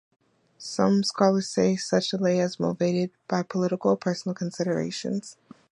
Some scholars saw such delay as motivated by political or personal considerations.